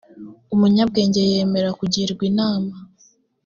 umunyabwenge yemera kugirwa inama